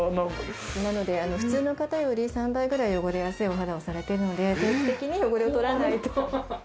なので普通の方より３倍ぐらい汚れやすいお肌をされているので、定期的に汚れを取らないと。